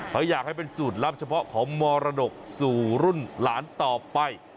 เขาอยากให้เป็นสูตรลับเฉพาะของมรดกสู่รุ่นหลานต่อไป